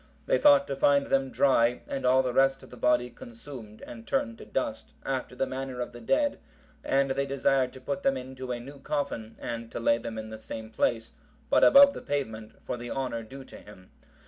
They thought to find them dry and all the rest of the body consumed and turned to dust, after the manner of the dead, and they desired to put them into a new coffin, and to lay them in the same place, but above the pavement, for the honour due to him.